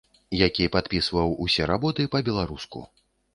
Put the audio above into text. Які падпісваў усе работы па-беларуску.